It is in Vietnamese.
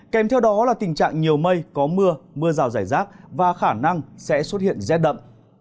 kèm theo đó là tình trạng nhiều mây có mưa mưa rào rải rác và khả năng sẽ xuất hiện rét đậm